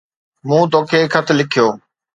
مون توکي خط لکيو